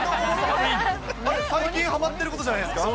最近はまってることじゃないですか。